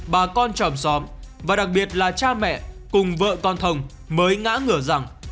bà con tròm xóm và đặc biệt là cha mẹ cùng vợ con thồng mới ngã ngửa rằng